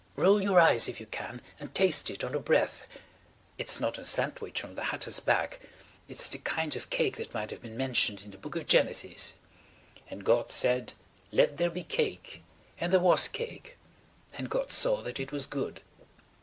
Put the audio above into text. Roll your eyes if you can and taste it on the breath. It's not a sandwich from the hatter's bag–it's the kind of cake that might have been mentioned in the Book of Genesis. ... And God said: 'Let there be cake. And there was cake. And God saw that it was good.'"